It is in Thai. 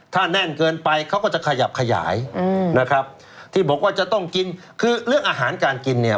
ถ้าแน่นเกินไปเขาก็จะขยับขยายอืมนะครับที่บอกว่าจะต้องกินคือเรื่องอาหารการกินเนี่ย